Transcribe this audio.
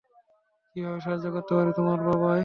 কীভাবে সাহায্য করতে পারি তোমায় বাবা?